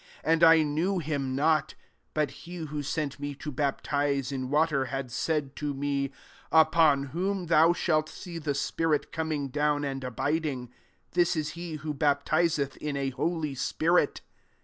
33 And I knew him not: but he who sent me to baptize in water, had said to me, *upon whom thou shalt see the spirit coming down and abiding, this is he who baptizeth in a holy spirit.'